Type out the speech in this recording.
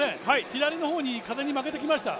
左の方に風に負けてきました。